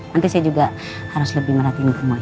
nanti saya juga harus lebih merhatiin rumah